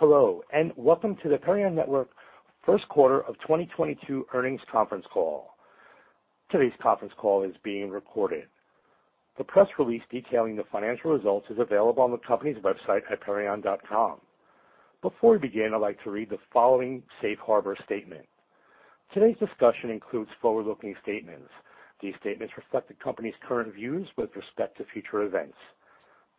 Hello, and welcome to the Perion Network Q1 of 2022 Earnings Conference Call. Today's conference call is being recorded. The press release detailing the financial results is available on the company's website at perion.com. Before we begin, I'd like to read the following safe harbor statement. Today's discussion includes forward-looking statements. These statements reflect the company's current views with respect to future events.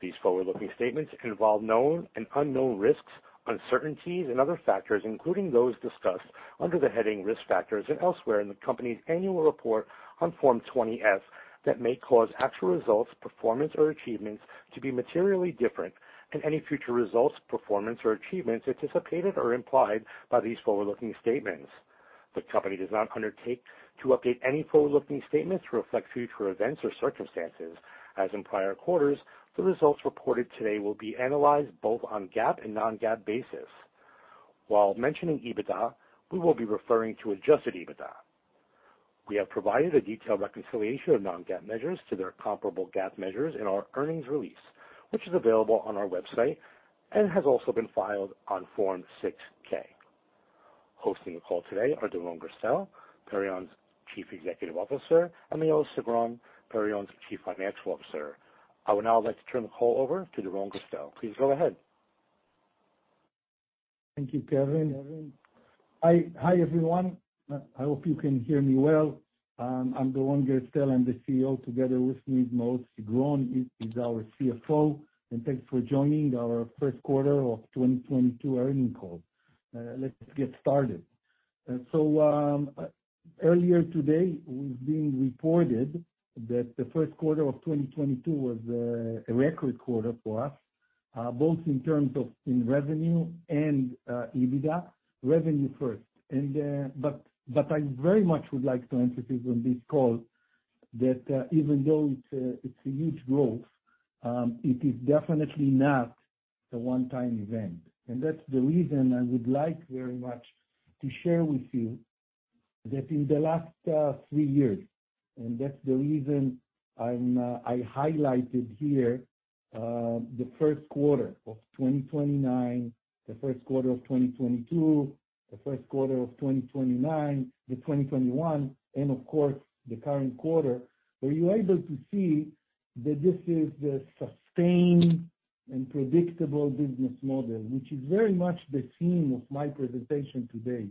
These forward-looking statements involve known and unknown risks, uncertainties and other factors, including those discussed under the heading Risk Factors and elsewhere in the company's annual report on Form 20-F that may cause actual results, performance or achievements to be materially different than any future results, performance or achievements anticipated or implied by these forward-looking statements. The company does not undertake to update any forward-looking statements to reflect future events or circumstances. As in prior quarters, the results reported today will be analyzed both on GAAP and non-GAAP basis. While mentioning EBITDA, we will be referring to adjusted EBITDA. We have provided a detailed reconciliation of non-GAAP measures to their comparable GAAP measures in our earnings release, which is available on our website and has also been filed on Form 6-K. Hosting the call today are Doron Gerstel, Perion's Chief Executive Officer, and Maoz Sigron, Perion's Chief Financial Officer. I would now like to turn the call over to Doron Gerstel. Please go ahead. Thank you, Kevin. Hi, everyone. I hope you can hear me well. I'm Doron Gerstel. I'm the CEO. Together with me is Maoz Sigron, he's our CFO. Thanks for joining our Q1 of 2022 Earnings Call. Let's get started. Earlier today, we reported that the Q1 of 2022 was a record quarter for us, both in terms of revenue and EBITDA. Revenue first. But I very much would like to emphasize on this call that even though it's a huge growth, it is definitely not a one-time event. That's the reason I would like very much to share with you that in the last three years, and that's the reason I'm I highlighted here the Q1 of 2021, the Q1 of 2022, the Q1 of 2023, the 2021, and of course, the current quarter, where you're able to see that this is a sustained and predictable business model, which is very much the theme of my presentation today.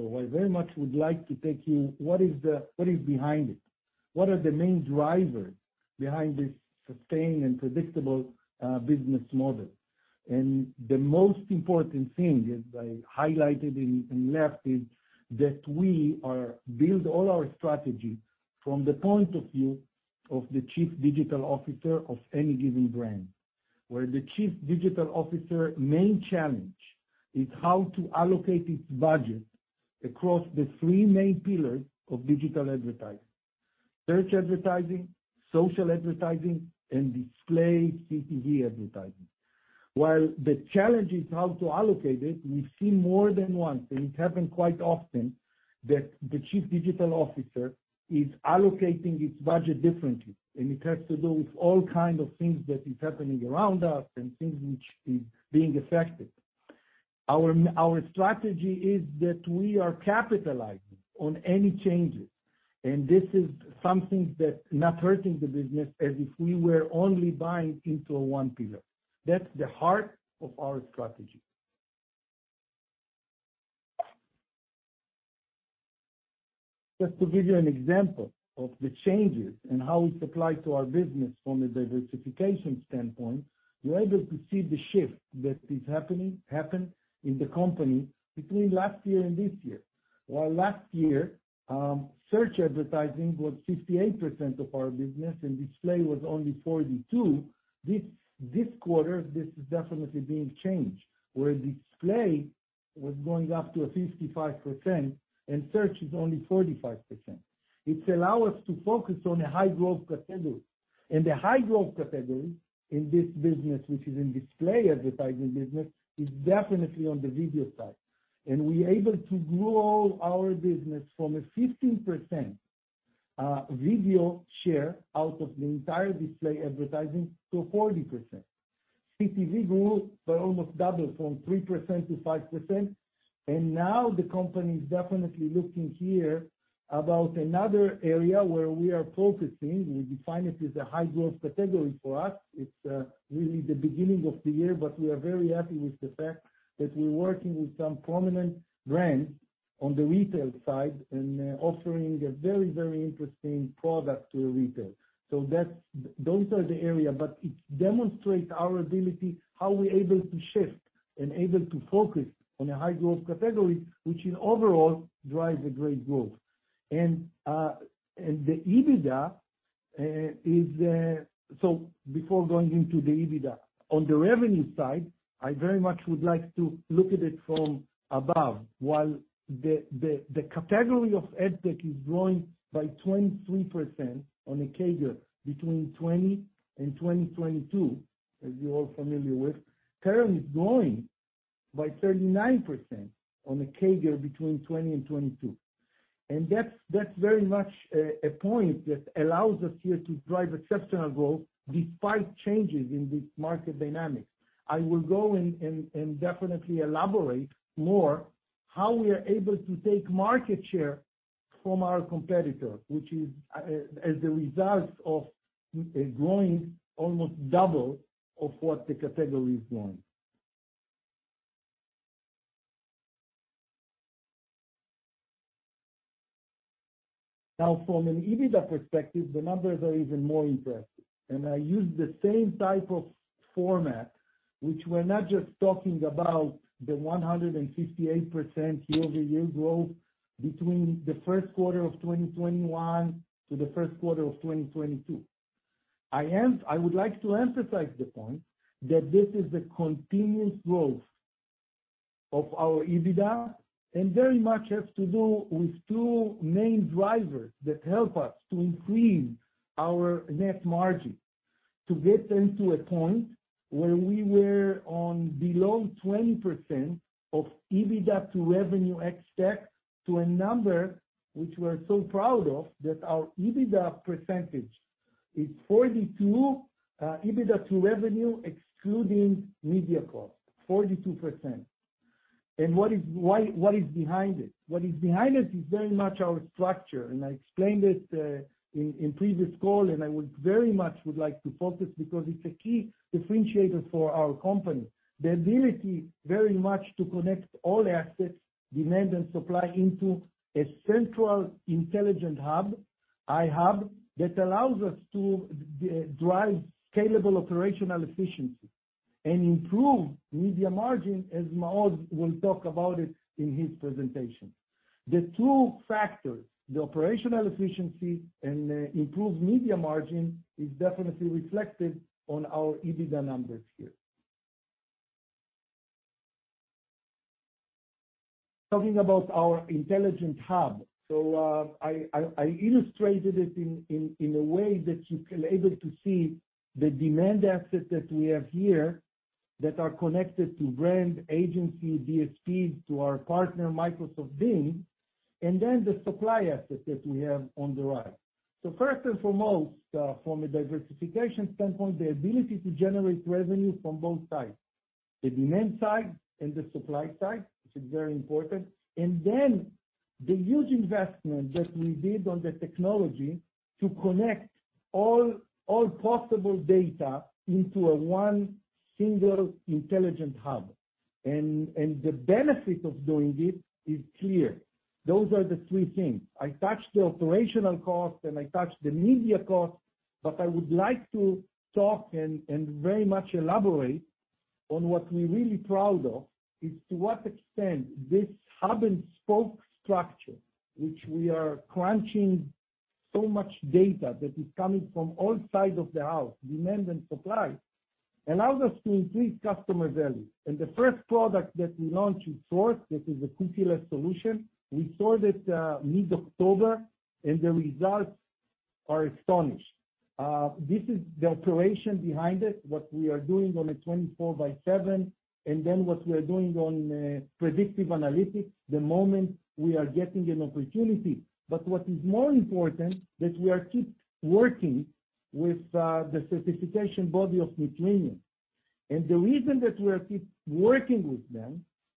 I very much would like to take you what is behind it? What are the main drivers behind this sustained and predictable business model? The most important thing, as I highlighted in left, is that we build all our strategy from the point of view of the chief digital officer of any given brand, where the chief digital officer main challenge is how to allocate its budget across the three main pillars of digital advertising, search advertising, social advertising, and display CTV advertising. While the challenge is how to allocate it, we see more than once, and it happened quite often, that the chief digital officer is allocating its budget differently, and it has to do with all kind of things that is happening around us and things which is being affected. Our strategy is that we are capitalizing on any changes, and this is something that not hurting the business as if we were only buying into a one pillar. That's the heart of our strategy. Just to give you an example of the changes and how it applies to our business from a diversification standpoint, you're able to see the shift that happened in the company between last year and this year. While last year, search advertising was 58% of our business and display was only 42%, this quarter, this is definitely being changed, where display was going up to a 55% and search is only 45%. It allow us to focus on a high-growth category. The high-growth category in this business, which is in display advertising business, is definitely on the video side. We're able to grow our business from a 15%, video share out of the entire display advertising to 40%. CTV grew by almost double, from 3% to 5%. Now the company is definitely looking here about another area where we are focusing. We define it as a high-growth category for us. It's really the beginning of the year, but we are very happy with the fact that we're working with some prominent brands on the retail side and offering a very, very interesting product to retail. Those are the area. It demonstrates our ability, how we're able to shift and able to focus on a high-growth category, which in overall drives a great growth. Before going into the EBITDA, on the revenue side, I very much would like to look at it from above. While the category of AdTech is growing by 23% on a CAGR between 2020 and 2022, as you're all familiar with, Perion is growing by 39% on a CAGR between 2020 and 2022. That's very much a point that allows us here to drive exceptional growth despite changes in the market dynamics. I will definitely elaborate more how we are able to take market share from our competitor, which is, as a result of, growing almost double of what the category is growing. Now, from an EBITDA perspective, the numbers are even more impressive. I use the same type of format, which we're not just talking about the 158% year-over-year growth between the Q1 of 2021 to the Q1 of 2022. I would like to emphasize the point that this is a continuous growth of our EBITDA, and very much has to do with two main drivers that help us to increase our net margin. To get them to a point where we were on below 20% of EBITDA to revenue ex-TAC, to a number which we're so proud of, that our EBITDA percentage is 42%, EBITDA to revenue, excluding media cost, 42%. What is behind it? Why, what is behind it is very much our structure, and I explained it in previous call, and I would very much like to focus because it's a key differentiator for our company. The ability very much to connect all assets, demand and supply, into a central intelligent hub, iHUB, that allows us to drive scalable operational efficiency and improve media margin, as Maoz will talk about it in his presentation. The two factors, the operational efficiency and improved media margin is definitely reflected on our EBITDA numbers here. Talking about our intelligent hub. I illustrated it in a way that you can able to see the demand assets that we have here that are connected to brand, agency, DSPs, to our partner, Microsoft Bing, and then the supply assets that we have on the right. First and foremost, from a diversification standpoint, the ability to generate revenue from both sides, the demand side and the supply side, which is very important. Then the huge investment that we did on the technology to connect all possible data into a one single intelligent hub. The benefit of doing it is clear. Those are the three things. I touched the operational cost and I touched the media cost, but I would like to talk and very much elaborate on what we're really proud of, is to what extent this hub and spoke structure, which we are crunching so much data that is coming from all sides of the house, demand and supply, allows us to increase customer value. The first product that we launched with SORT, this is a cookieless solution. We saw that mid-October, and the results are astonishing. This is the operation behind it, what we are doing on a 24/7, and then what we are doing on predictive analytics the moment we are getting an opportunity. What is more important, that we are keep working with the certification body of [Neutronian]. The reason that we are keep working with them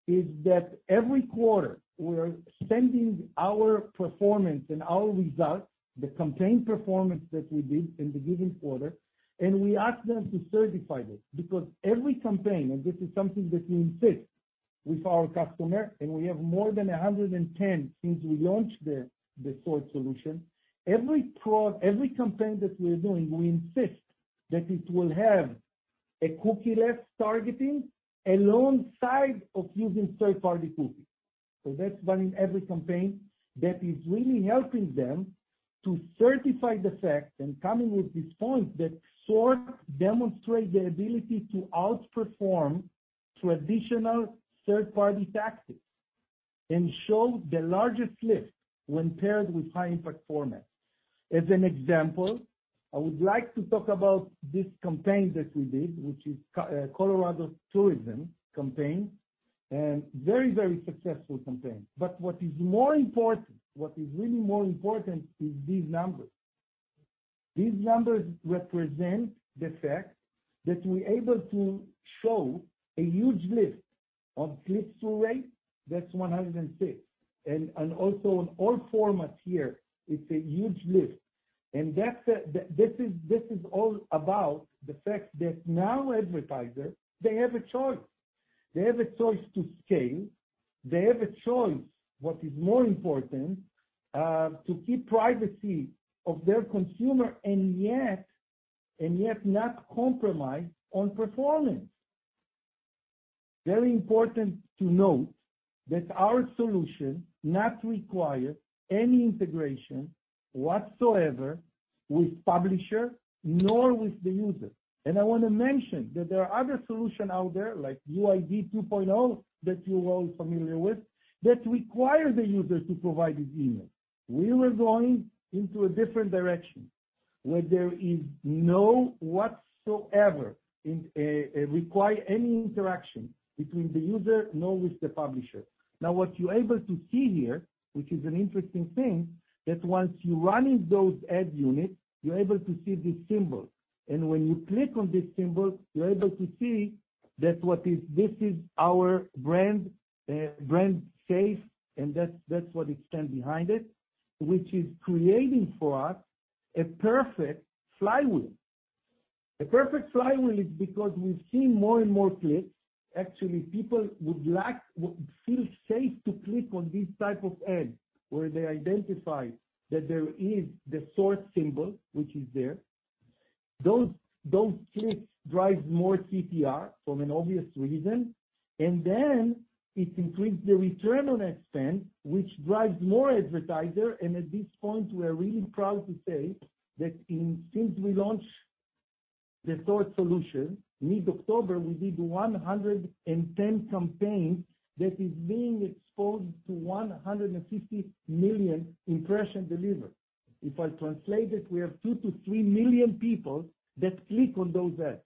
is that every quarter, we are sending our performance and our results, the campaign performance that we did in the given quarter, and we ask them to certify it. Because every campaign, and this is something that we insist with our customer, and we have more than 110 since we launched the Source solution. Every campaign that we're doing, we insist that it will have a cookieless targeting alongside of using third-party cookie. That's done in every campaign. That is really helping them to certify the fact, and coming with this point that SORT demonstrates the ability to outperform traditional third-party tactics and show the largest lift when paired with high impact format. As an example, I would like to talk about this campaign that we did, which is Colorado Tourism campaign, and very, very successful campaign. What is more important, what is really more important is these numbers. These numbers represent the fact that we're able to show a huge lift of click-through rate, that's 106%. Also on all formats here, it's a huge lift. This is all about the fact that now advertisers, they have a choice. They have a choice to scale. They have a choice, what is more important, to keep privacy of their consumer and yet not compromise on performance. Very important to note that our solution not require any integration whatsoever with publisher nor with the user. I wanna mention that there are other solution out there, like UID 2.0, that you're all familiar with, that require the user to provide his email. We were going into a different direction. Where there is no whatsoever required any interaction between the user nor with the publisher. Now, what you're able to see here, which is an interesting thing, that once you run in those ad units, you're able to see this symbol. When you click on this symbol, you're able to see that this is our brand safe, and that's what it stands behind it, which is creating for us a perfect flywheel. A perfect flywheel is because we've seen more and more clicks. Actually, people would feel safe to click on this type of ad, where they identify that there is the source symbol, which is there. Those clicks drive more CTR for an obvious reason. Then it increase the return on ad spend, which drives more advertiser. At this point, we're really proud to say that since we launched the source solution, mid-October, we did 110 campaigns that is being exposed to 150 million impression delivered. If I translate it, we have 2 to 3 million people that click on those ads.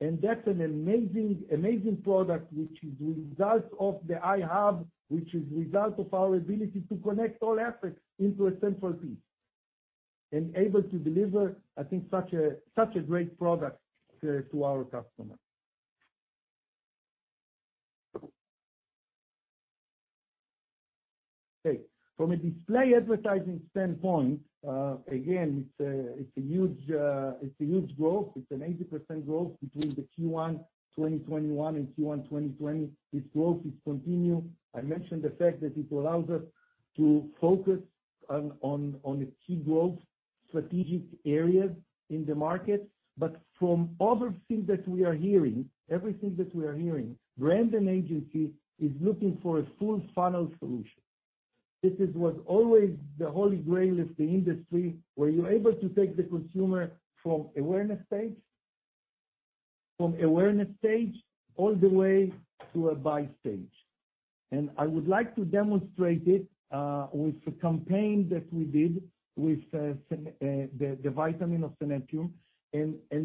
That's an amazing product, which is the result of the iHUB, which is a result of our ability to connect all aspects into a central piece. Able to deliver, I think, such a great product to our customers. From a display advertising standpoint, again, it's a huge growth. It's an 80% growth between the Q1 2021 and Q1 2020. This growth is continuing. I mentioned the fact that it allows us to focus on a key growth strategic areas in the market. From other things that we are hearing, everything that we are hearing, brand and agency is looking for a full funnel solution. This is what's always the holy grail of the industry, where you're able to take the consumer from awareness stage all the way to a buy stage. I would like to demonstrate it with a campaign that we did with the vitamin [Centrum].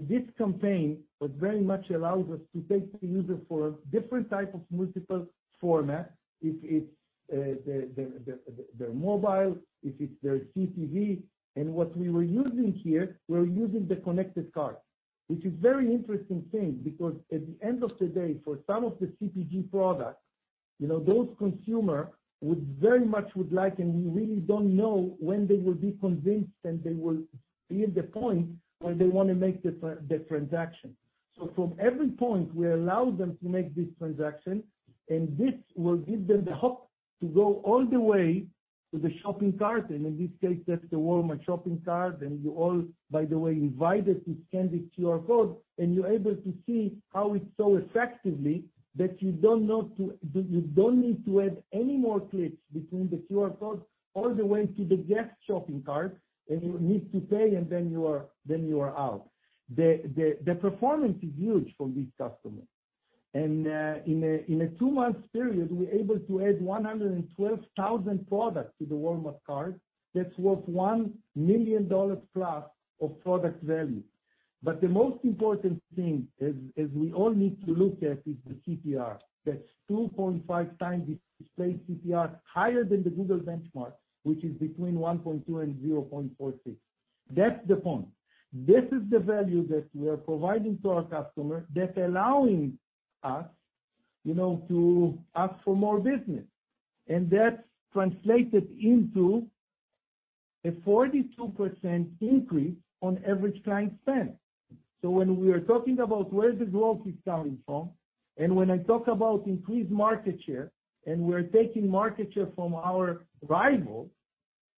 This campaign what very much allows us to take the user for different type of multiple format. If it's the mobile, if it's their CTV. What we were using here, we're using the connected cart, which is very interesting thing, because at the end of the day, for some of the CPG products, you know, those consumer would very much like, and we really don't know when they will be convinced, and they will be at the point where they wanna make the transaction. From every point, we allow them to make this transaction, and this will give them the hope to go all the way to the shopping cart. In this case, that's the Walmart shopping cart. You all, by the way, invited to scan the QR code, and you're able to see how it's so effectively that you don't need to add any more clicks between the QR code all the way to the guest shopping cart, and you need to pay, and then you are out. The performance is huge for these customers. In a two-month period, we're able to add 112,000 products to the Walmart cart. That's worth $1 million plus of product value. The most important thing is we all need to look at is the CTR. That's 2.5x display CTR, higher than the Google benchmark, which is between 1.2 and 0.46. That's the point. This is the value that we are providing to our customer that's allowing us, you know, to ask for more business. That's translated into a 42% increase on average client spend. When we are talking about where the growth is coming from, and when I talk about increased market share, and we're taking market share from our rivals,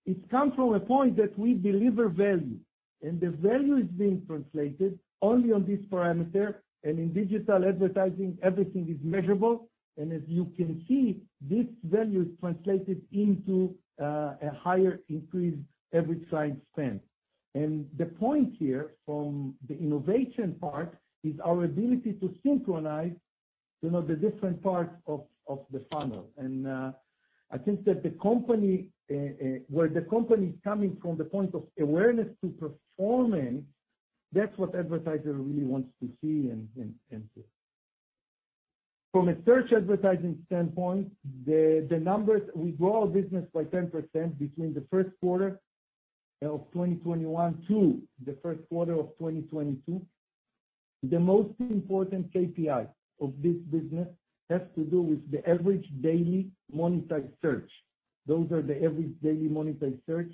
it come from a point that we deliver value. The value is being translated only on this parameter. In digital advertising, everything is measurable. As you can see, this value is translated into a higher increased average client spend. The point here from the innovation part is our ability to synchronize, you know, the different parts of the funnel. I think that the company, where the company is coming from the point of awareness to performing, that's what advertiser really wants to see and hear. From a search advertising standpoint, the numbers, we grow our business by 10% between the Q1 of 2021 to the Q1 of 2022. The most important KPI of this business has to do with the average daily monetized search. Those are the average daily monetized search.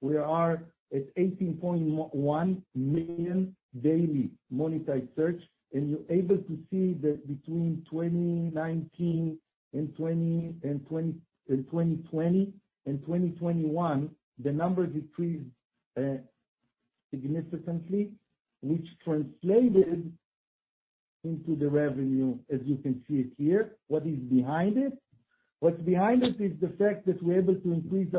We are at 18.1 million daily monetized search. You're able to see that between 2019 and 2020 and 2021, the numbers increased significantly, which translated into the revenue as you can see it here. What is behind it? What's behind it is the fact that we're able to increase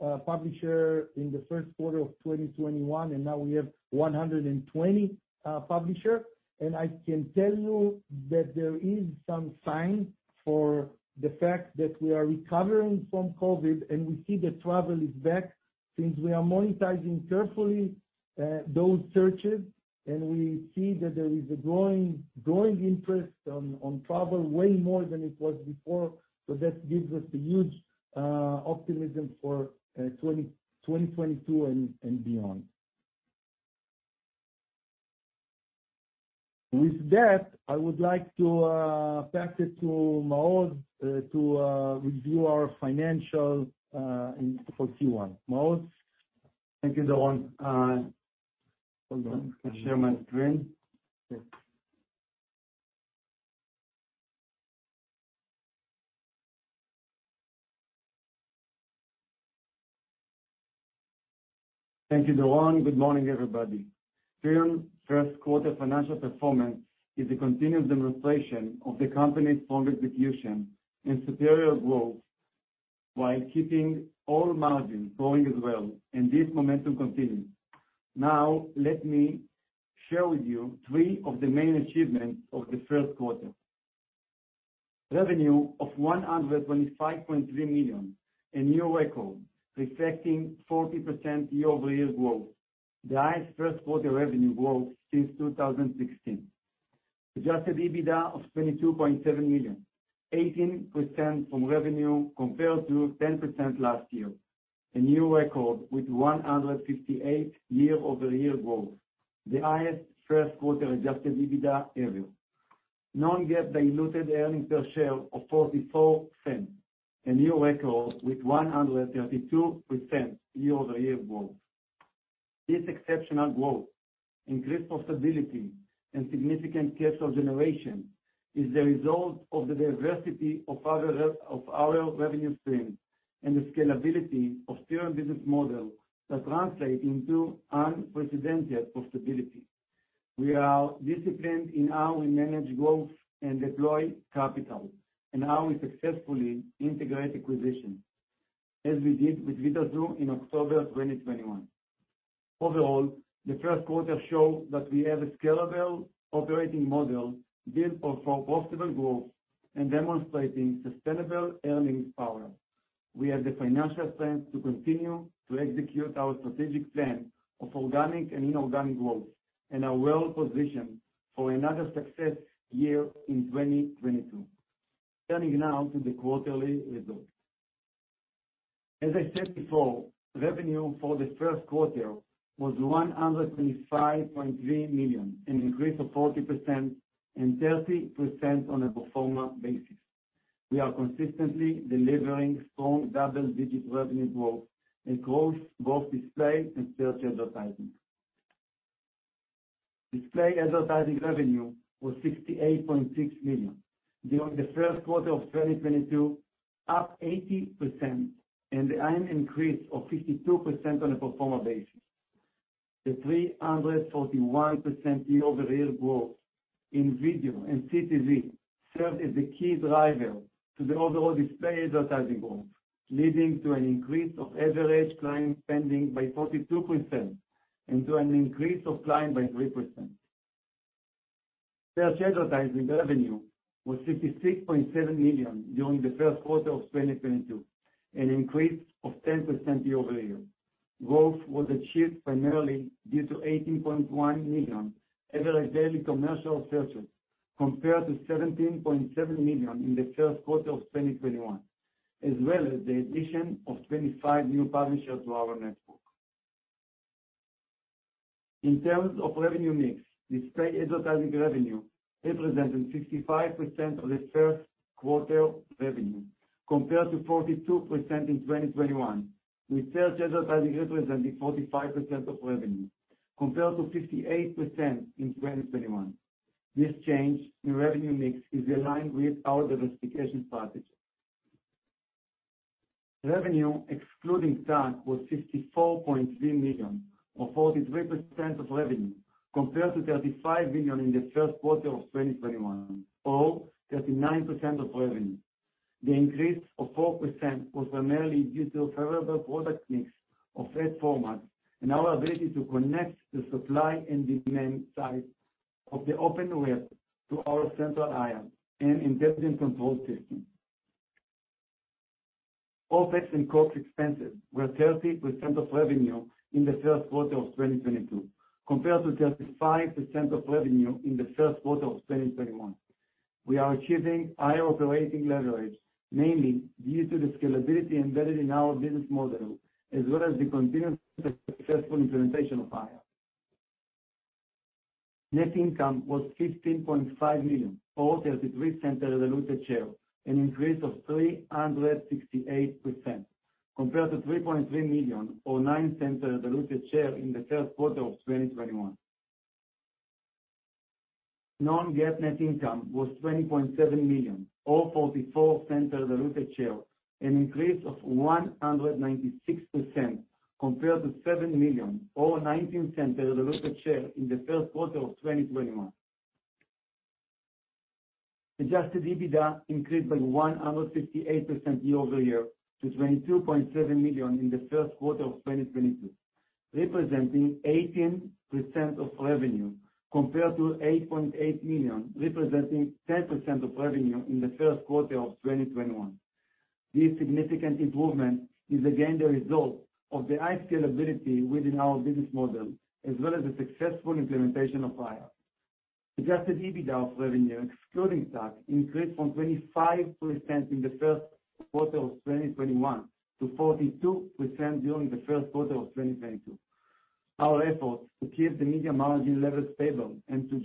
our number of publisher, 95 publisher in the Q1 of 2021, and now we have 120 publisher. I can tell you that there is some sign for the fact that we are recovering from COVID, and we see the travel is back. Since we are monetizing carefully those searches and we see that there is a growing interest in travel way more than it was before. That gives us a huge optimism for 2022 and beyond. With that, I would like to pass it to Maoz to review our financials for Q1. Maoz. Thank you, Doron. Hold on. Let me share my screen. Yes. Thank you, Doron. Good morning, everybody. Perion Q1 financial performance is a continuous demonstration of the company's strong execution and superior growth, while keeping all margins growing as well, and this momentum continues. Now, let me share with you three of the main achievements of the Q1. Revenue of $125.3 million, a new record reflecting 40% year-over-year growth. The highest Q1 revenue growth since 2016. Adjusted EBITDA of $22.7 million, 18% from revenue compared to 10% last year. A new record with 158% year-over-year growth. The highest Q1 adjusted EBITDA ever. Non-GAAP diluted earnings per share of $0.44, a new record with 132% year-over-year growth. This exceptional growth, increased profitability, and significant cash flow generation is the result of the diversity of our revenue stream and the scalability of Perion business model that translate into unprecedented profitability. We are disciplined in how we manage growth and deploy capital, and how we successfully integrate acquisitions, as we did with Vidazoo in October 2021. Overall, the Q1 show that we have a scalable operating model built for profitable growth and demonstrating sustainable earnings power. We have the financial strength to continue to execute our strategic plan of organic and inorganic growth, and are well-positioned for another success year in 2022. Turning now to the quarterly results. As I said before, revenue for the Q1 was $125.3 million, an increase of 40% and 30% on a pro forma basis. We are consistently delivering strong double-digit revenue growth across both display and search advertising. Display advertising revenue was $68.6 million during the Q1 of 2022, up 80% and an increase of 52% on a pro forma basis. The 341% year-over-year growth in video and CTV served as the key driver to the overall display advertising growth, leading to an increase of average client spending by 42% and to an increase of client by 3%. Search advertising revenue was $66.7 million during the Q1 of 2022, an increase of 10% year-over-year. Growth was achieved primarily due to 18.1 million average daily commercial searches compared to 17.7 million in the Q1 of 2021, as well as the addition of 25 new publishers to our network. In terms of revenue mix, display advertising revenue represented 65% of the Q1 revenue compared to 42% in 2021, with search advertising representing 45% of revenue compared to 58% in 2021. This change in revenue mix is aligned with our diversification strategy. Revenue ex-TAC was $64.3 million, or 43% of revenue, compared to $35 million in the Q1 of 2021, or 39% of revenue. The increase of 4% was primarily due to a favorable product mix of ad formats and our ability to connect the supply and demand side of the open web to our central AI and intelligent control system. OpEx and COGS expenses were 30% of revenue in the Q1 of 2022, compared to 35% of revenue in the Q1 of 2021. We are achieving higher operating leverage, mainly due to the scalability embedded in our business model as well as the continued successful implementation of AI. Net income was $15.5 million, or $0.33 per diluted share, an increase of 368% compared to $3.3 million or $0.09 per diluted share in the Q1 of 2021. Non-GAAP net income was $20.7 million or $0.44 per diluted share, an increase of 196% compared to $7 million or $0.19 per diluted share in the Q1 of 2021. Adjusted EBITDA increased by 158% year-over-year to $22.7 million in the Q1 of 2022. Representing 18% of revenue compared to $8.8 million, representing 10% of revenue in the Q1 of 2021. This significant improvement is again the result of the high scalability within our business model, as well as the successful implementation of AI. Adjusted EBITDA of revenue ex-TAC increased from 25% in the Q1 of 2021 to 42% during the Q1 of 2022. Our efforts to keep the media margin levels stable and to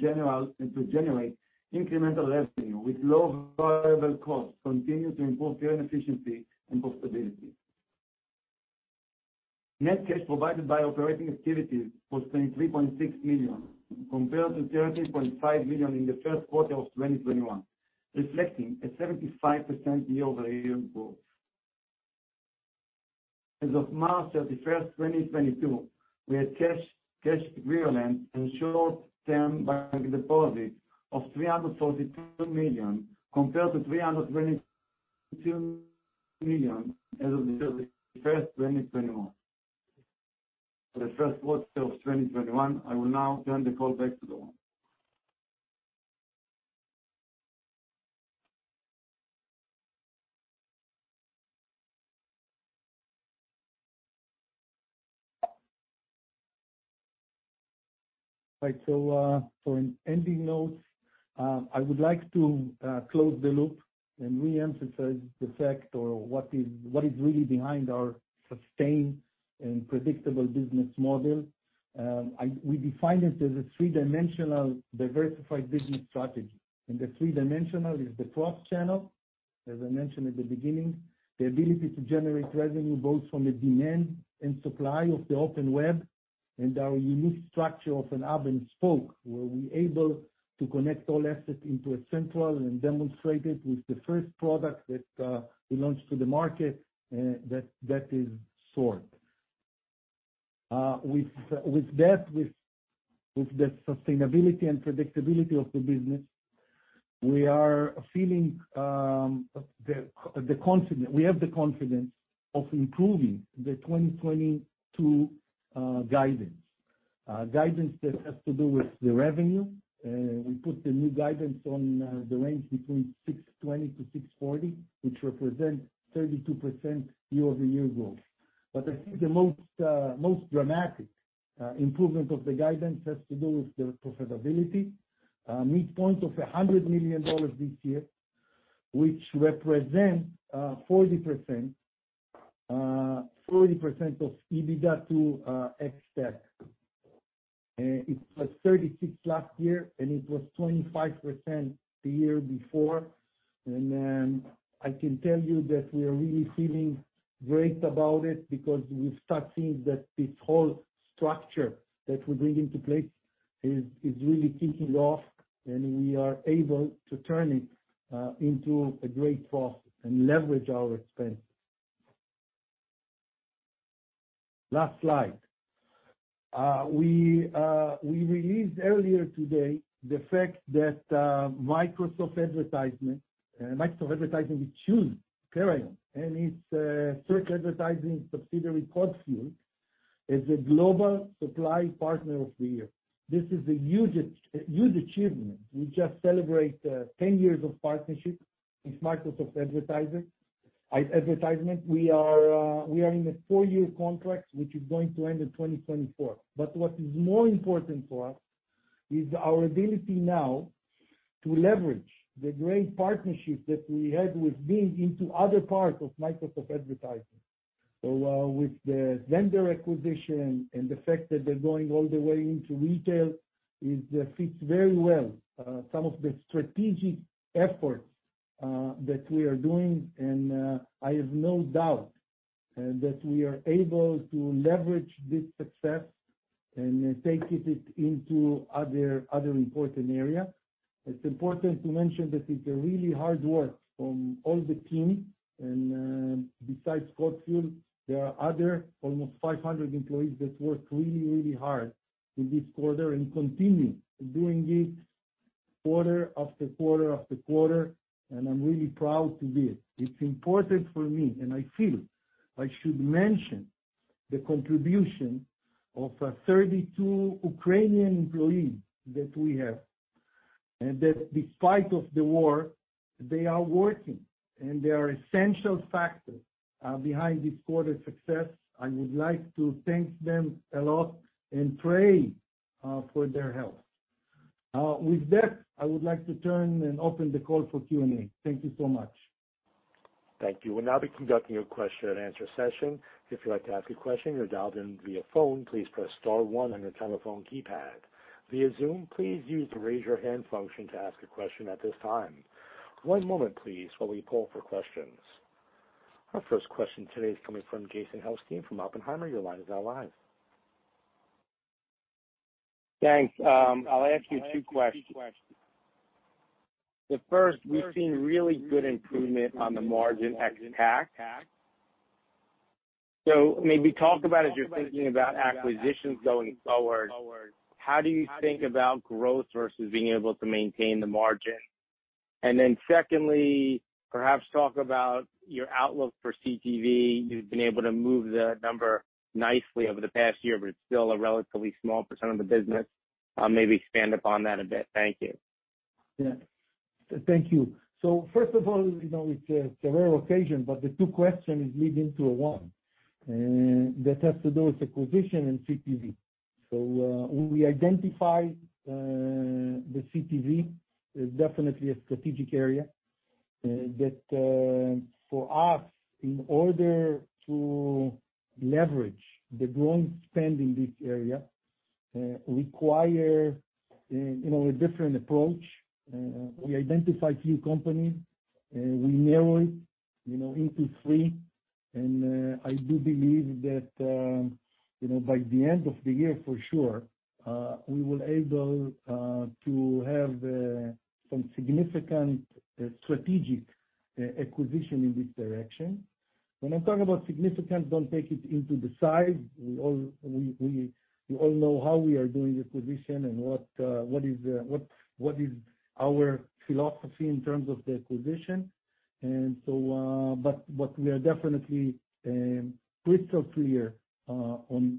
generate incremental revenue with low variable costs continue to improve current efficiency and profitability. Net cash provided by operating activities was $23.6 million, compared to $13.5 million in the Q1 of 2021, reflecting a 75% year-over-year growth. As of March 31st, 2022, we had cash equivalent, and short-term bank deposits of $342 million, compared to $322 million as of December 1, 2021. For the Q1 of 2021, I will now turn the call back to Doron. For an ending note, I would like to close the loop and re-emphasize the fact or what is really behind our sustained and predictable business model. We define it as a three-dimensional diversified business strategy. The three-dimensional is the cross-channel, as I mentioned at the beginning, the ability to generate revenue both from the demand and supply of the open web, and our unique structure of a hub and spoke, where we're able to connect all assets into a central and demonstrate it with the first product that we launched to the market, that is SORT. With that, with the sustainability and predictability of the business, we have the confidence of improving the 2022 guidance. Guidance that has to do with the revenue. We put the new guidance on the range between $620 million to $640 million, which represents 32% year-over-year growth. I think the most dramatic improvement of the guidance has to do with the profitability midpoint of $100 million this year, which represent 40% of EBITDA to ex-TAC. It was 36% last year, and it was 25% the year before. I can tell you that we are really feeling great about it because we start seeing that this whole structure that we bring into place is really kicking off, and we are able to turn it into a great process and leverage our expense. Last slide. We released earlier today the fact that Microsoft Advertising chose Perion, and its search advertising subsidiary, CodeFuel, as a Global Supply Partner of the Year. This is a huge achievement. We just celebrate 10 years of partnership with Microsoft Advertising. We are in a four-year contract, which is going to end in 2024. What is more important for us is our ability now to leverage the great partnership that we had with Bing into other parts of Microsoft Advertising. With the Xandr acquisition and the fact that they're going all the way into retail, it fits very well some of the strategic efforts that we are doing. I have no doubt that we are able to leverage this success and take it into other important area. It's important to mention that it's a really hard work from all the team. Besides CodeFuel, there are other almost 500 employees that worked really, really hard in this quarter and continue doing it quarter after quarter after quarter, and I'm really proud of it. It's important for me, and I feel I should mention the contribution of 32 Ukrainian employees that we have, and that despite of the war, they are working, and they are essential factor behind this quarter's success. I would like to thank them a lot and pray for their health. With that, I would like to turn and open the call for Q&A. Thank you so much. Thank you. We'll now be conducting a question-and-answer session. If you'd like to ask a question, you're dialed in via phone, please press star one on your telephone keypad. Via Zoom, please use the Raise Your Hand function to ask a question at this time. One moment, please, while we poll for questions. Our first question today is coming from Jason Helfstein from Oppenheimer. Your line is now live. Thanks. I'll ask you two questions. The first, we've seen really good improvement on the margin ex-TAC. Maybe talk about as you're thinking about acquisitions going forward, how do you think about growth versus being able to maintain the margin? Secondly, perhaps talk about your outlook for CTV. You've been able to move the number nicely over the past year, but it's still a relatively small percent of the business. Maybe expand upon that a bit. Thank you. Yeah. Thank you. First of all, you know, it's a rare occasion, but the two questions lead into one, and that has to do with acquisition and CTV. When we identify, the CTV is definitely a strategic area that, for us, in order to leverage the growing spend in this area, requires, you know, a different approach. We identify few companies and we narrow it, you know, into three. I do believe that, you know, by the end of the year, for sure, we will be able to have some significant strategic acquisition in this direction. When I'm talking about significant, don't take it into the size. You all know how we are doing the acquisition and what is our philosophy in terms of the acquisition. What we are definitely crystal clear on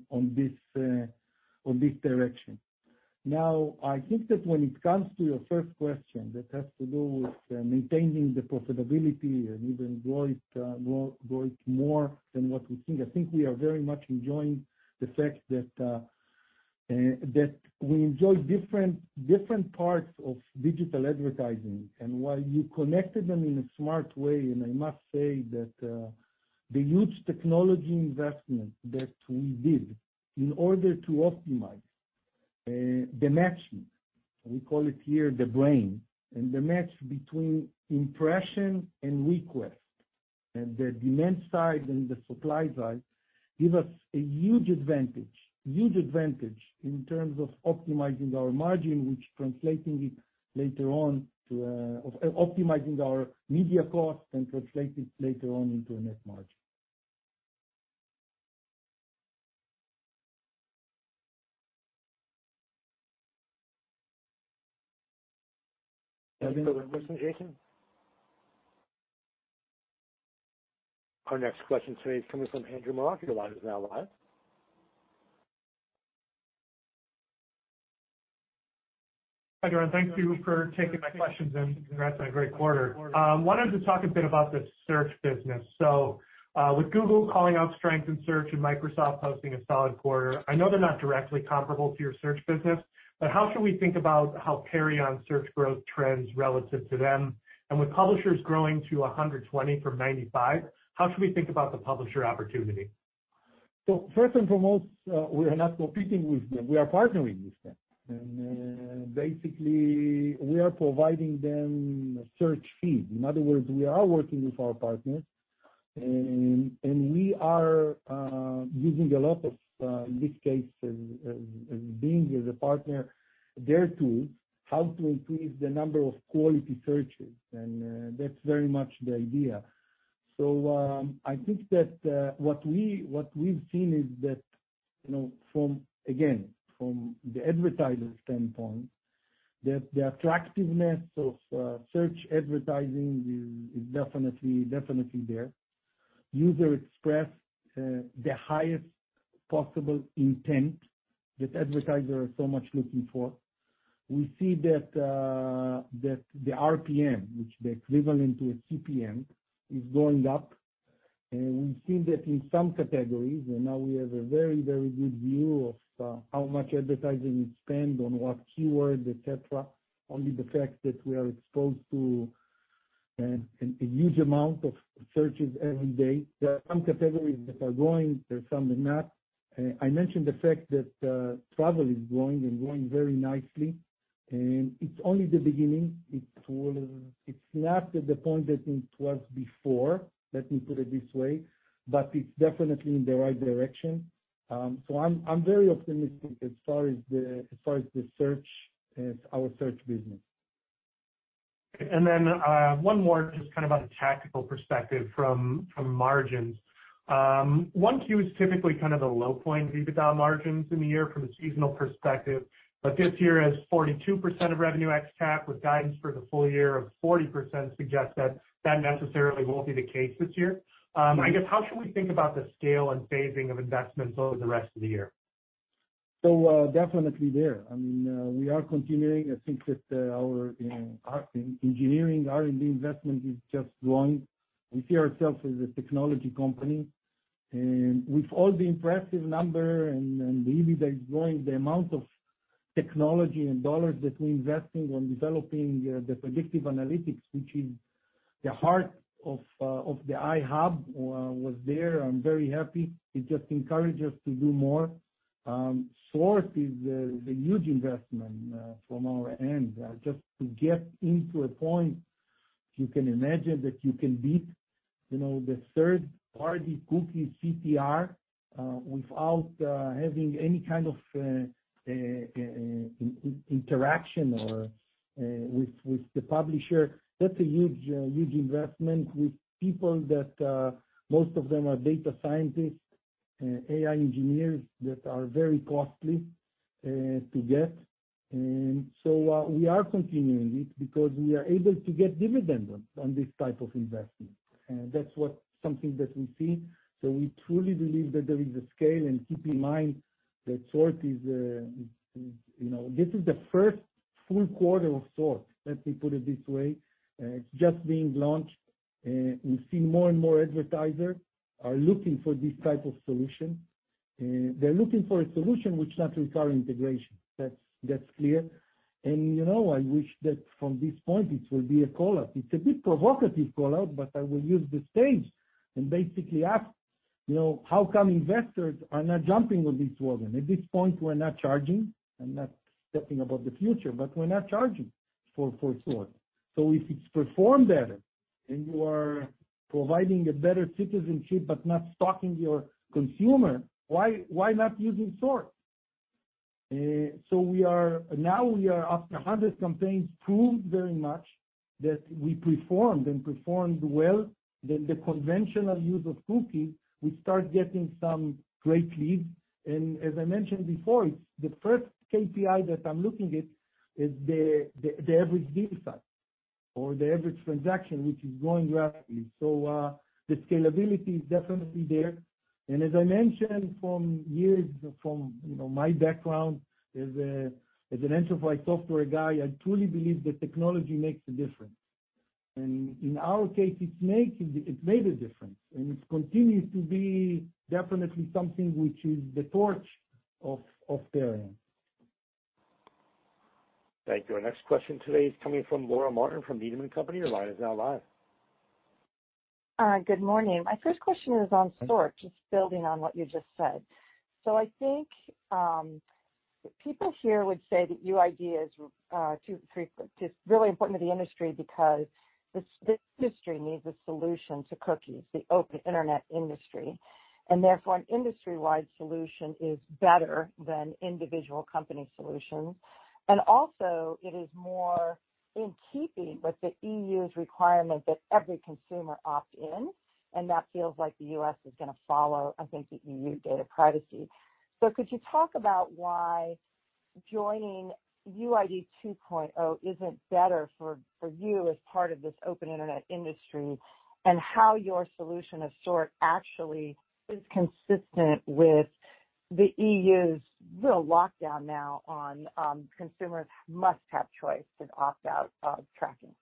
this direction. Now, I think that when it comes to your first question that has to do with maintaining the profitability and even grow it more than what we think. I think we are very much enjoying the fact that we enjoy different parts of digital advertising. While you connected them in a smart way, and I must say that, the huge technology investment that we did in order to optimize, the matching, we call it here the brain, and the match between impression and request, and the demand side and the supply side, give us a huge advantage in terms of optimizing our margin, which translating it later on to optimizing our media costs and translate it later on into a net margin. Any further question, Jason? Our next question today is coming from Andrew Marok. Your line is now live. Hi, Doron. Thank you for taking my questions and congrats on a great quarter. Wanted to talk a bit about the search business. With Google calling out strength in search and Microsoft posting a solid quarter, I know they're not directly comparable to your search business, but how should we think about how Perion search growth trends relative to them? With publishers growing to 120 from 95, how should we think about the publisher opportunity? First and foremost, we are not competing with them, we are partnering with them. Basically, we are providing them search feed. In other words, we are working with our partners and we are using a lot of, in this case, as Bing as a partner, their tool how to increase the number of quality searches, and that's very much the idea. I think that what we've seen is that, you know, from, again, from the advertiser standpoint, that the attractiveness of search advertising is definitely there. Users express the highest possible intent that advertisers are so much looking for. We see that the RPM, which is the equivalent to a CPM, is going up. We've seen that in some categories, and now we have a very, very good view of how much advertising is spent on what keywords, et cetera. Only the fact that we are exposed to a huge amount of searches every day. There are some categories that are growing, there are some that not. I mentioned the fact that travel is growing and growing very nicely, and it's only the beginning. It's not at the point that it was before, let me put it this way, but it's definitely in the right direction. I'm very optimistic as far as the search, as our search business. One more, just kind of on a tactical perspective from margins. 1Q is typically kind of the low point EBITDA margins in the year from a seasonal perspective, but this year has 42% of revenue ex-TAC with guidance for the full year of 40% suggests that necessarily won't be the case this year. I guess how should we think about the scale and phasing of investments over the rest of the year? Definitely there. I mean, we are continuing. I think that, you know, our engineering R&D investment is just growing. We see ourselves as a technology company. With all the impressive number and really the growing amount of technology and dollars that we investing on developing the predictive analytics, which is the heart of the iHUB, was there. I'm very happy. It just encourage us to do more. SORT is a huge investment from our end just to get to a point you can imagine that you can beat, you know, the third-party cookie CTR without having any kind of interaction with the publisher. That's a huge investment with people that most of them are data scientists, AI engineers that are very costly to get. We are continuing it because we are able to get dividend on this type of investing. That's something that we see. We truly believe that there is a scale, and keep in mind that SORT is, you know, this is the first full quarter of SORT, let me put it this way. It's just being launched. We see more and more advertisers are looking for this type of solution. They're looking for a solution which does not require integration. That's clear. You know, I wish that from this point it will be a call-out. It's a bit provocative call-out, but I will use the stage and basically ask, you know, how come investors are not jumping on this wagon? At this point, we're not charging. I'm not speaking about the future, but we're not charging for SORT. If it's performed better and you are providing a better citizenship but not stalking your consumer, why not using SORT? We are, after 100 campaigns, proved very much that we performed well. The conventional use of cookie, we start getting some great leads. As I mentioned before, it's the first KPI that I'm looking at is the average deal size or the average transaction, which is growing rapidly. The scalability is definitely there. As I mentioned for years, you know, my background as an enterprise software guy, I truly believe that technology makes a difference. In our case, it made a difference, and it continues to be definitely something which is the torch of Perion. Thank you. Our next question today is coming from Laura Martin from Needham & Company. Your line is now live. Good morning. My first question is on SORT, just building on what you just said. I think people here would say that UID 2.0 is too frequent. It's really important to the industry because this industry needs a solution to cookies, the open internet industry. Therefore, an industry-wide solution is better than individual company solutions. It is more in keeping with the EU's requirement that every consumer opt in, and that feels like the U.S. is gonna follow, I think, the EU data privacy. Could you talk about why joining UID 2.0 isn't better for you as part of this open internet industry, and how your solution of SORT actually is consistent with the EU's real lockdown now on consumers must have choice to opt out of tracking?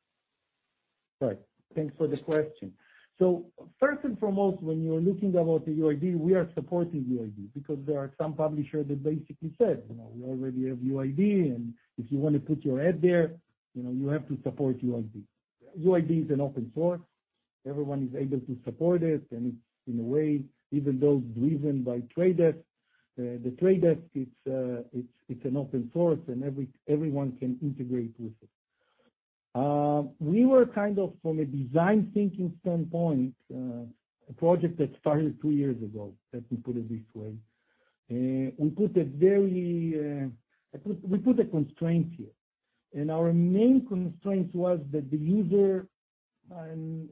Right. Thanks for the question. First and foremost, when you're looking about the UID, we are supporting UID because there are some publishers that basically said, you know, we already have UID, and if you wanna put your ad there, you know, you have to support UID. UID is an open source. Everyone is able to support it. In a way, even though driven by The Trade Desk, the Trade Desk, it's an open source and everyone can integrate with it. We were kind of from a design thinking standpoint, a project that started two years ago, let me put it this way. We put a constraint here, and our main constraint was that the user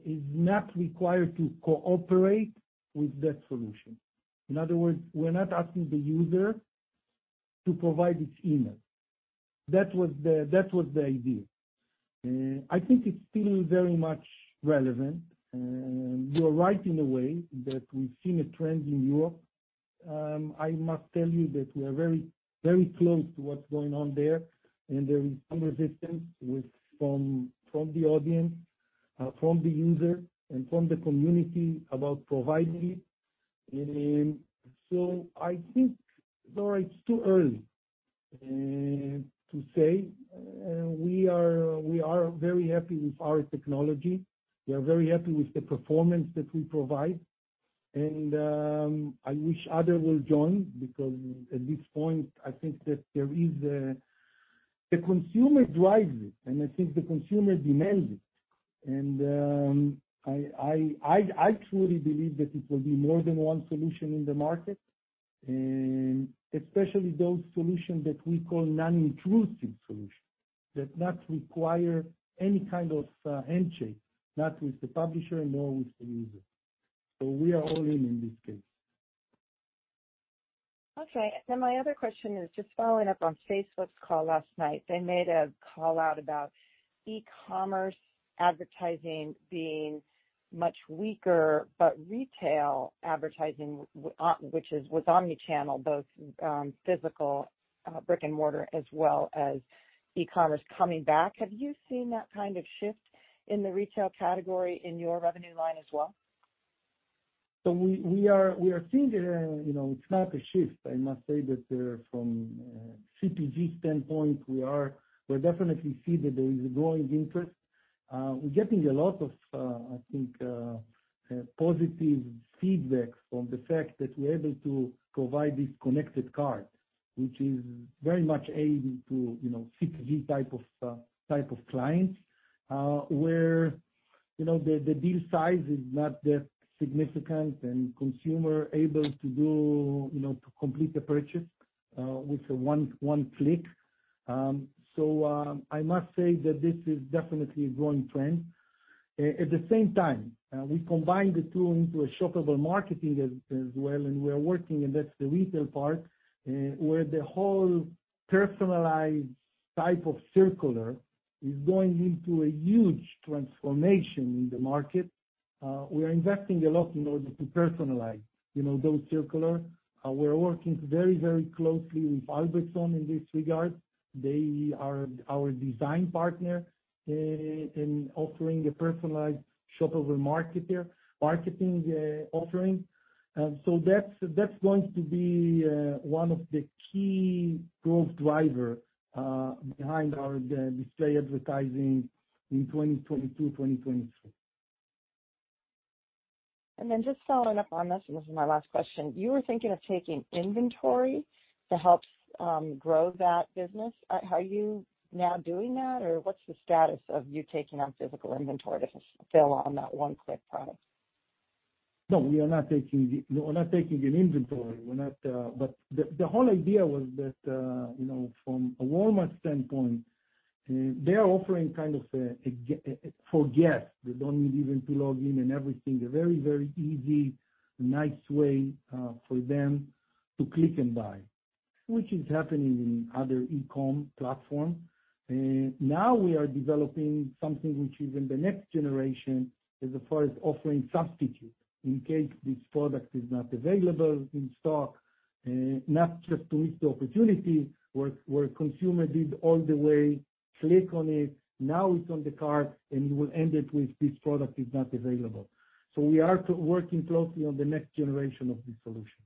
is not required to cooperate with that solution. In other words, we're not asking the user to provide its email. That was the idea. I think it's still very much relevant. You are right in a way that we've seen a trend in Europe. I must tell you that we are very, very close to what's going on there, and there is some resistance from the audience, from the user and from the community about providing it. I think, Laura, it's too early to say. We are very happy with our technology. We are very happy with the performance that we provide. I wish others will join because at this point, I think the consumer drives it, and I think the consumer demands it. I truly believe that it will be more than one solution in the market, and especially those solutions that we call non-intrusive solutions, that does not require any kind of handshake, not with the publisher nor with the user. We are all in this case. Okay. My other question is just following up on Facebook's call last night. They made a call out about e-commerce advertising being much weaker, but retail advertising, which is with omni-channel, both, physical, brick-and-mortar as well as e-commerce coming back. Have you seen that kind of shift in the retail category in your revenue line as well? We are seeing, you know, it's not a shift. I must say that from CPG standpoint, we definitely see that there is a growing interest. We're getting a lot of, I think, positive feedback from the fact that we're able to provide this connected cart, which is very much aimed to, you know, CPG type of clients, where, you know, the deal size is not that significant and consumer are able to do, you know, to complete the purchase with one click. I must say that this is definitely a growing trend. At the same time, we combine the two into a shoppable marketing as well, and that's the retail part, where the whole personalized type of circular is going into a huge transformation in the market. We are investing a lot in order to personalize, you know, those circulars. We're working very, very closely with Albertsons in this regard. They are our design partner in offering a personalized shoppable marketing offering. That's going to be one of the key growth driver behind our display advertising in 2022 to 2023. Then just following up on this, and this is my last question. You were thinking of taking inventory to help grow that business. Are you now doing that? Or what's the status of you taking on physical inventory to fill on that one-click product? No, we're not taking an inventory. The whole idea was that, you know, from a Walmart standpoint, they are offering kind of a for guest. They don't need even to log in and everything. A very, very easy, nice way, for them to click and buy, which is happening in other e-com platform. Now we are developing something which is in the next generation as far as offering substitutes in case this product is not available in stock, not just to miss the opportunity where consumer did all the way, click on it, now it's on the cart, and you will end up with this product is not available. We are working closely on the next generation of this solution.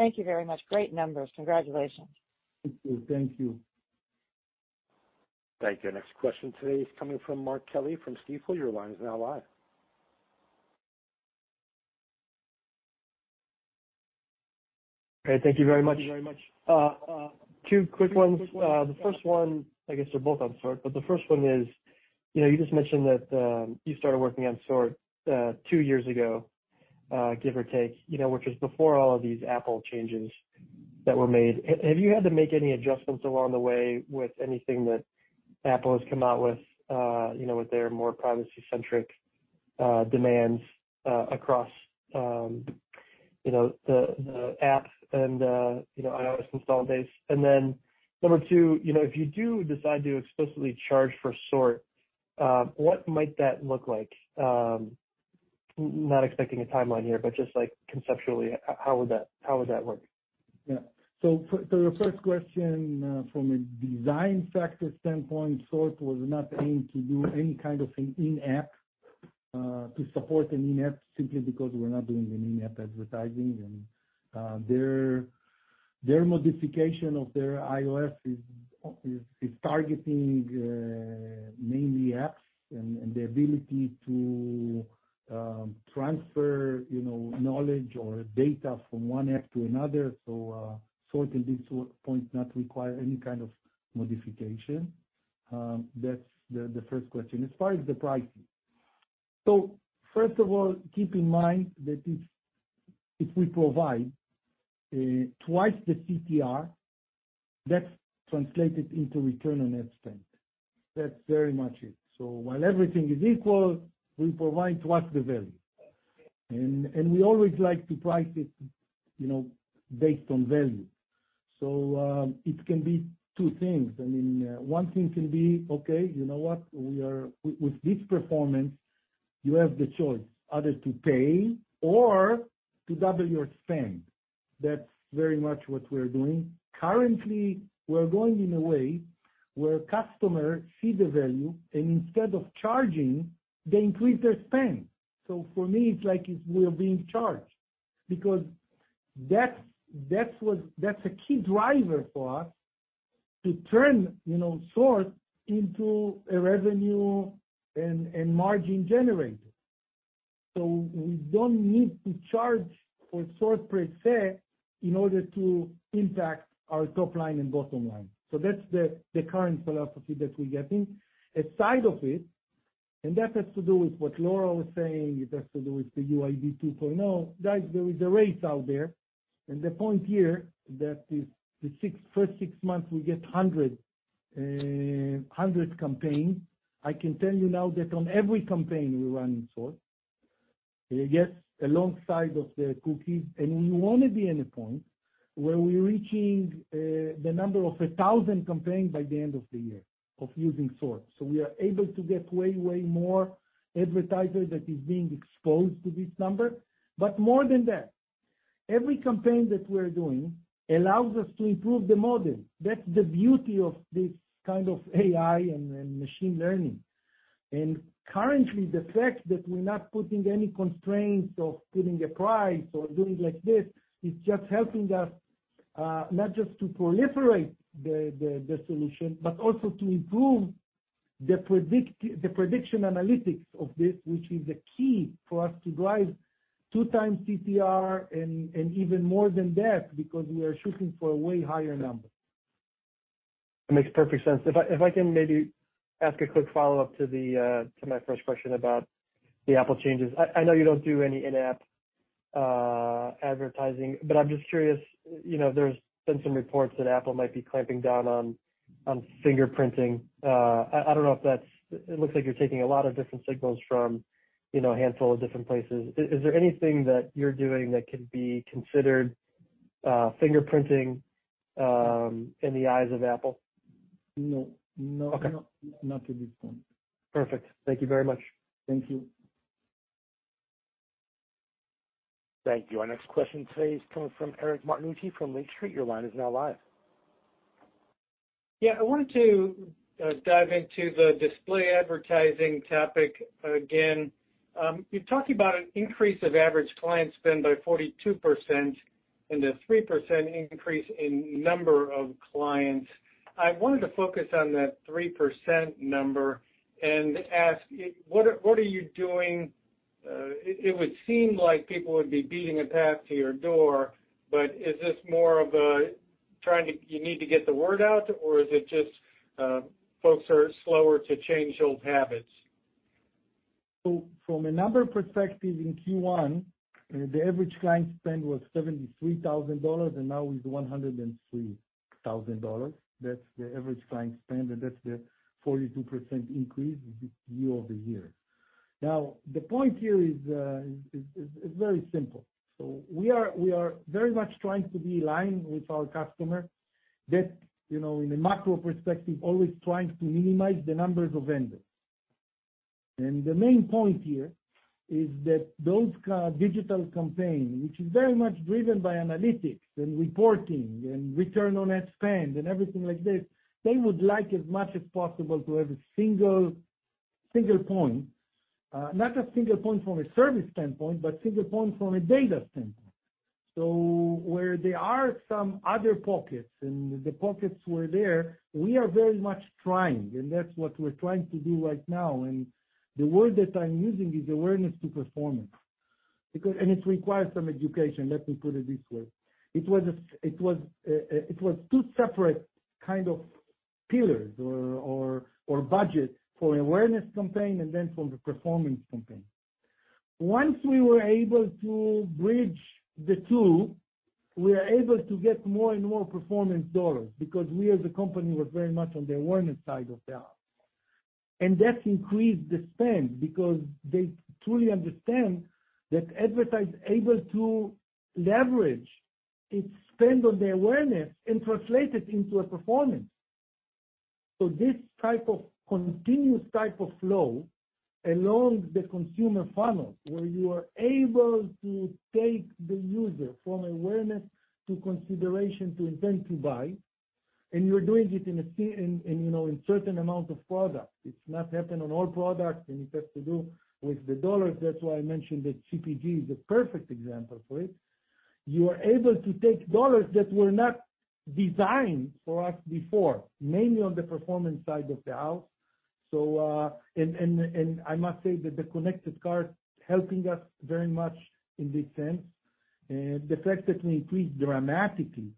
Thank you very much. Great numbers. Congratulations. Thank you. Thank you. Next question today is coming from Mark Kelley from Stifel. Your line is now live. Hey, thank you very much. Two quick ones. The first one, I guess they're both on SORT, but the first one is, you know, you just mentioned that you started working on SORT two years ago, give or take, you know, which was before all of these Apple changes that were made. Have you had to make any adjustments along the way with anything that Apple has come out with, you know, with their more privacy-centric demands across the apps and iOS install base? And then number two, you know, if you do decide to explicitly charge for SORT, what might that look like? Not expecting a timeline here, but just, like, conceptually, how would that work? Yeah. To your first question, from a design factor standpoint, SORT was not aimed to do any kind of an in-app to support an in-app simply because we're not doing an in-app advertising. Their modification of their iOS is targeting mainly apps and the ability to transfer, you know, knowledge or data from one app to another. SORT at this point does not require any kind of modification. That's the first question. As far as the pricing. First of all, keep in mind that if we provide twice the CTR, that's translated into return on ad spend. That's very much it. While everything is equal, we provide twice the value. We always like to price it, you know, based on value. It can be two things. I mean, one thing can be, okay, you know what? With this performance, you have the choice either to pay or to double your spend. That's very much what we're doing. Currently, we're going in a way where customers see the value, and instead of charging, they increase their spend. For me, it's like we're being charged because that's what a key driver for us to turn, you know, SORT into a revenue and margin generator. We don't need to charge for SORT per se in order to impact our top line and bottom line. That's the current philosophy that we're getting. Aside from it, that has to do with what Laura was saying. It has to do with the UID 2.0. Guys, there is a race out there, and the point here that is the first six months, we get 100 campaigns. I can tell you now that on every campaign we run SORT, it gets alongside of the cookies, and we wanna be in a point where we're reaching the number of 1,000 campaigns by the end of the year of using SORT. We are able to get way more advertisers that is being exposed to this number. More than that, every campaign that we're doing allows us to improve the model. That's the beauty of this kind of AI and machine learning. Currently, the fact that we're not putting any constraints of putting a price or doing like this is just helping us, not just to proliferate the solution, but also to improve the prediction analytics of this, which is the key for us to drive 2x CTR and even more than that, because we are shooting for a way higher number. That makes perfect sense. If I can maybe ask a quick follow-up to my first question about the Apple changes. I know you don't do any in-app advertising. But I'm just curious, you know, there's been some reports that Apple might be clamping down on fingerprinting. I don't know if that's. It looks like you're taking a lot of different signals from, you know, a handful of different places. Is there anything that you're doing that could be considered fingerprinting in the eyes of Apple? No. Okay. Not to this point. Perfect. Thank you very much. Thank you. Thank you. Our next question today is coming from Eric Martinuzzi from Lake Street. Your line is now live. Yeah. I wanted to dive into the display advertising topic again. You talked about an increase of average client spend by 42% and a 3% increase in number of clients. I wanted to focus on that 3% number and ask what are you doing? It would seem like people would be beating a path to your door, but is this more of you need to get the word out, or is it just folks are slower to change old habits? From a number perspective in Q1, the average client spend was $73,000, and now is $103,000. That's the average client spend, and that's the 42% increase year-over-year. Now, the point here is very simple. We are very much trying to be aligned with our customer that, you know, in a macro perspective, always trying to minimize the numbers of vendors. The main point here is that those kind of digital campaign, which is very much driven by analytics and reporting and return on ad spend and everything like this, they would like as much as possible to have a single point, not a single point from a service standpoint, but single point from a data standpoint. Where there are some other pockets, and the pockets were there, we are very much trying, and that's what we're trying to do right now. The word that I'm using is awareness to performance because it requires some education, let me put it this way. It was two separate kind of pillars or budget for awareness campaign and then for the performance campaign. Once we were able to bridge the two, we are able to get more and more performance dollars because we as a company were very much on the awareness side of the house. That increased the spend because they truly understand that advertiser is able to leverage its spend on the awareness and translate it into a performance. This type of continuous flow along the consumer funnel, where you are able to take the user from awareness to consideration to intent to buy, and you're doing it in a certain amount of products, you know. It's not happening on all products, and it has to do with the dollars. That's why I mentioned that CPG is a perfect example for it. You are able to take dollars that were not designed for us before, mainly on the performance side of the house. I must say that the connected cart is helping us very much in this sense. The fact that we increased dramatically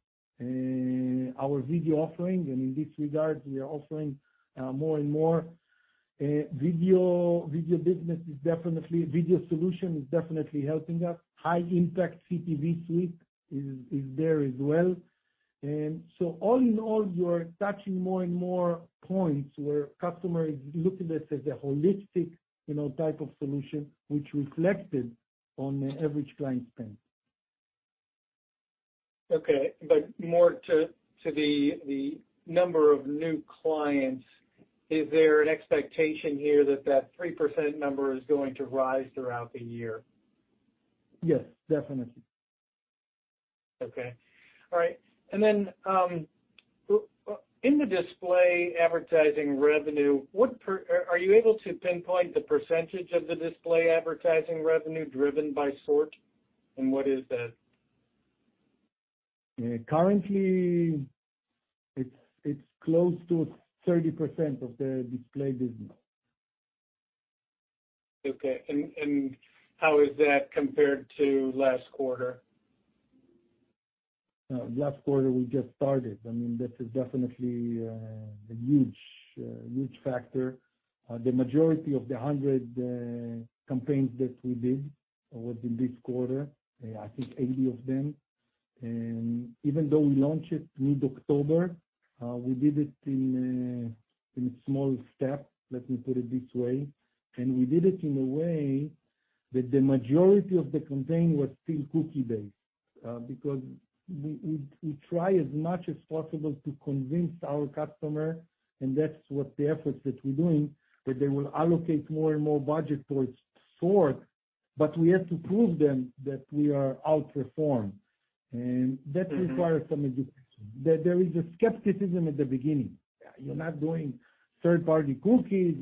our video offering, and in this regard, we are offering more and more video. Video solution is definitely helping us. High impact CTV suite is there as well. All in all, you are touching more and more points where customer is looking at it as a holistic, you know, type of solution, which reflected on the average client spend. Okay. More to the number of new clients, is there an expectation here that 3% number is going to rise throughout the year? Yes, definitely. Okay. All right. In the display advertising revenue, are you able to pinpoint the percentage of the display advertising revenue driven by SORT? What is that? Yeah. Currently it's close to 30% of the display business. Okay. How is that compared to last quarter? Last quarter, we just started. I mean, that is definitely a huge factor. The majority of the 100 campaigns that we did was in this quarter, I think 80 of them. Even though we launched it mid-October, we did it in small steps, let me put it this way. We did it in a way that the majority of the campaign was still cookie-based, because we try as much as possible to convince our customer, and that's what the efforts that we're doing, that they will allocate more and more budget towards SORT, but we have to prove them that we are outperformed. That requires some education. There is a skepticism at the beginning. You're not doing third-party cookies.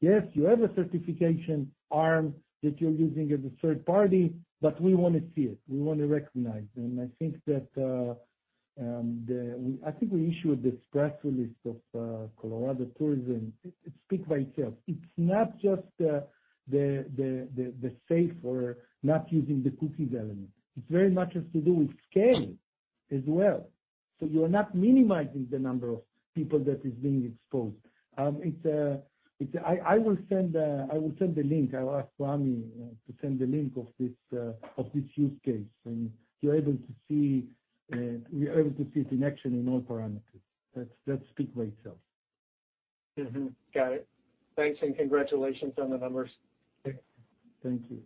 Yes, you have a certification arm that you're using as a third party, but we wanna see it. We want to recognize. I think that, I think we issued the press release of Colorado Tourism. It speaks for itself. It's not just the safe or not using the cookies element. It very much has to do with scale as well. You are not minimizing the number of people that is being exposed. It's, I will send the link. I will ask Swami to send the link of this use case, and you're able to see, we are able to see it in action in all parameters. That speaks for itself. Got it. Thanks, and congratulations on the numbers. Thank you.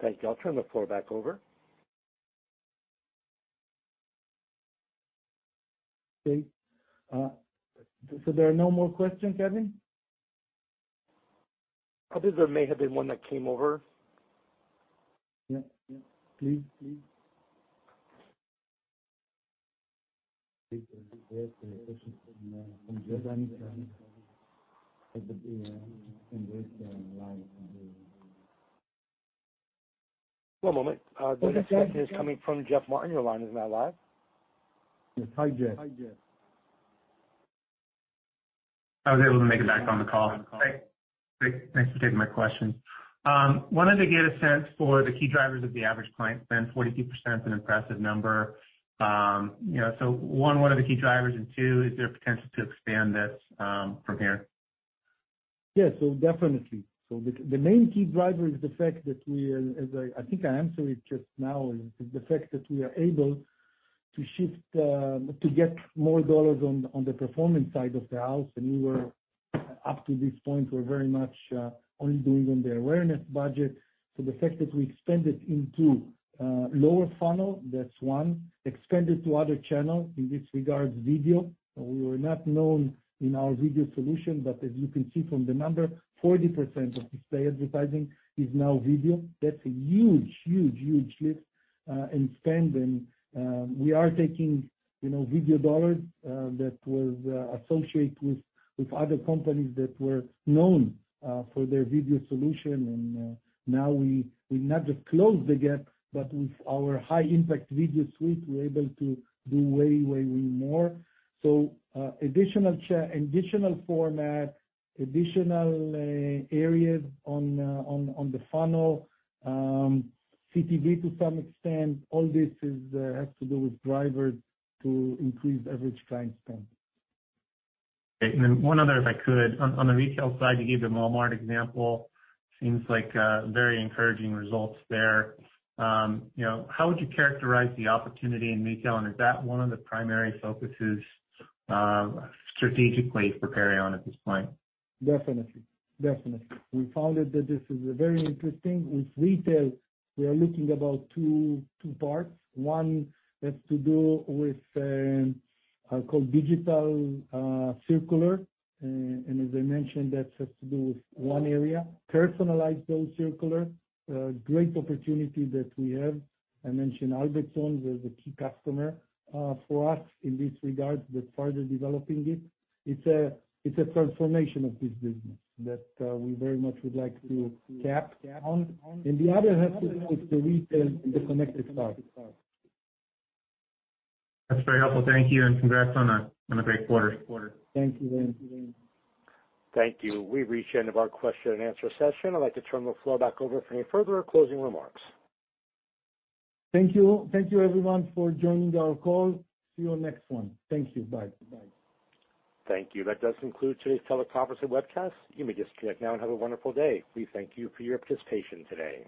Thank you. I'll turn the floor back over. Okay. There are no more questions, Kevin? I think there may have been one that came over. Yeah, yeah. Please. One moment. The next question is coming from Jeff Van Rhee. Your line is now live. Hi, Jeff. I was able to make it back on the call. Hey, great. Thanks for taking my question. Wanted to get a sense for the key drivers of the average client spend. 42% is an impressive number. You know, so one, what are the key drivers? Two, is there potential to expand this from here? Yes. Definitely. The main key driver is the fact that, as I think I answered it just now, the fact that we are able to shift to get more dollars on the performance side of the house. We were, up to this point, very much only doing on the awareness budget. The fact that we expanded into lower funnel, that's one. Expanded to other channels, in this regard, video. We were not known in our video solution, but as you can see from the number, 40% of display advertising is now video. That's a huge lift in spend. We are taking, you know, video dollars that was associated with other companies that were known for their video solution. Now we not just close the gap, but with our high impact video suite, we're able to do way, way more. Additional format, additional areas on the funnel, CTV to some extent, all this has to do with drivers to increase average client spend. Okay. One other, if I could. On the retail side, you gave the Walmart example. Seems like very encouraging results there. You know, how would you characterize the opportunity in retail, and is that one of the primary focuses strategically for Perion at this point? Definitely. We found that this is very interesting. With retail, we are looking about two parts. One has to do with called digital circular. As I mentioned, that has to do with one area. Personalize those circular. Great opportunity that we have. I mentioned Albertsons as a key customer for us in this regard. We're further developing it. It's a transformation of this business that we very much would like to capitalize on. The other half is the retail and the connected cart. That's very helpful. Thank you, and congrats on a great quarter. Thank you. Thank you. We've reached the end of our question-and-answer session. I'd like to turn the floor back over for any further closing remarks. Thank you. Thank you everyone for joining our call. See you on next one. Thank you. Bye. Thank you. That does conclude today's teleconference and webcast. You may disconnect now and have a wonderful day. We thank you for your participation today.